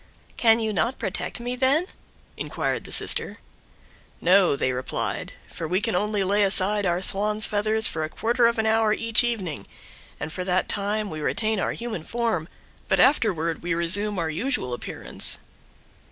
"Can you not protect me, then?" inquired the sister. "No," they replied, "for we can only lay aside our swan's feathers for a quarter of an hour each evening, and for that time we retain our human form, but afterward we resume our usual appearance."